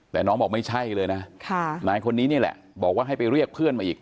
แต่น้องบอกไม่ใช่เลยนะนายคนนี้นี่แหละบอกว่าให้ไปเรียกเพื่อนมาอีก